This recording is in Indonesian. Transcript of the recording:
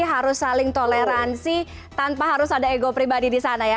harus saling toleransi tanpa harus ada ego pribadi di sana ya